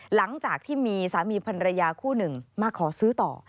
หลังจากที่มีสามีพันรยาคู่หนึ่งมาขอซื้อต่อ